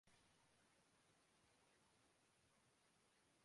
سٹریلیا سے test series کیلئے قومی ٹیم کا اعلان عامر ڈراپ